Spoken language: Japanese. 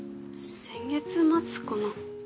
先月末かな。